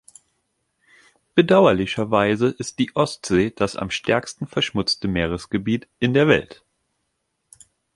Bedauerlicherweise ist die Ostsee das am stärksten verschmutzte Meeresgebiet in der Welt.